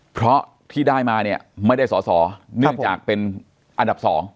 เพราะที่ได้มาเนี่ยไม่ได้สอสอเนื่องจากเป็นอันดับ๒